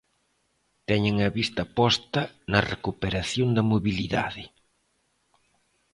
Teñen a vista posta na recuperación da mobilidade.